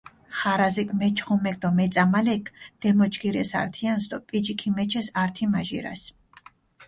ხარაზიქ, მეჩხომექ დო მეწამალექ დემოჯგირეს ართიანსჷ დო პიჯი ქიმეჩეს ართი-მაჟირას.